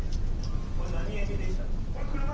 これ何エビでしたっけ？